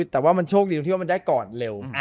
แต่ว่ามันโชคดีตรงที่ว่ามันได้ก่อนเร็ว